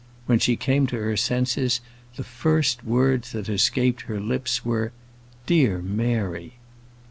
When she came to her senses, the first words that escaped her lips were, "Dear Mary!"